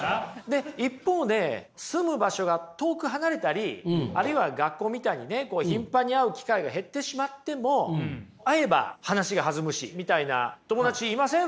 で一方で住む場所が遠く離れたりあるいは学校みたいにね頻繁に会う機会が減ってしまっても会えば話が弾むしみたいな友達いません？